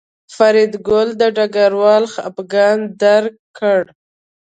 فریدګل د ډګروال خپګان درک کړ